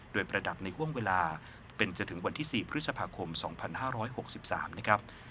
โดยประดับในห่วงเวลาเป็นจนถึงวันที่๔พฤษภาคม๒๕๖๓นะครับ